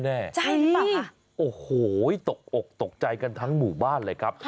ใช่ป่ะอ่ะฮือโอ้โฮตกใจกันทั้งหมู่บ้านเลยครับ